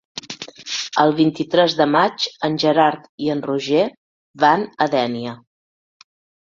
El vint-i-tres de maig en Gerard i en Roger van a Dénia.